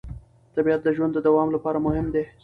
طبیعت د ژوند د دوام لپاره مهم دی